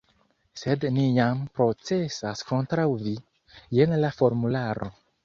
sed ni jam procesas kontraŭ vi, jen la formularo.